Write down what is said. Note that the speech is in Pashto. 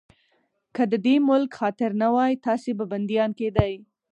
که د دې ملک خاطر نه وای، تاسې به بنديان کېدئ.